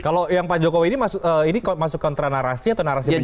kalau yang pak jokowi ini masuk kontra narasi atau narasi politik